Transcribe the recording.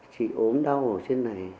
chị ốm đau ở trên này